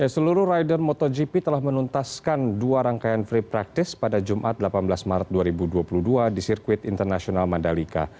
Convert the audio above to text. seluruh rider motogp telah menuntaskan dua rangkaian free practice pada jumat delapan belas maret dua ribu dua puluh dua di sirkuit internasional mandalika